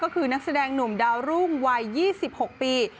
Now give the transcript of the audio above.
ก็คือนักแสดงหนุ่มดาวรุ่งวัย๒๖ปี